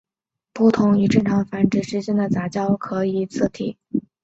但是种类之间的杂交可以使植物含有的色素体不同于正常繁殖。